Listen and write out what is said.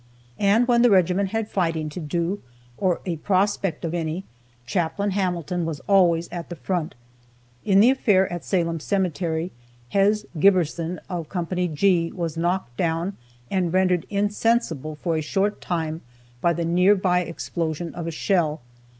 And when the regiment had fighting to do, or a prospect of any, Chaplain Hamilton was always at the front. In the affair at Salem Cemetery, Hez. Giberson of Co. G was knocked down and rendered insensible for a short time by the near by explosion of a shell.